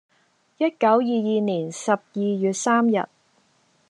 一九二二年十二月三日，